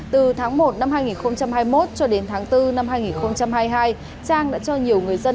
từ tháng một năm hai nghìn hai mươi một cho đến tháng bốn năm hai nghìn hai mươi hai trang đã cho nhiều người dân